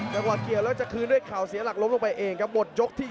กระกว่าเกียร์แล้วจะคืนด้วยข่าวเสียหลักล้มลงไปเองกับบทยกที่๒